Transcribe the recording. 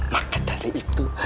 maka dari itu